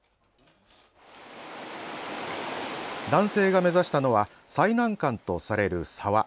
男性が目指したのは最難関とされる沢。